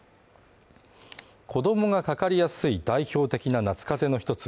子供がかかりやすい代表的な夏かぜの一つ